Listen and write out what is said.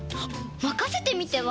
まかせてみては？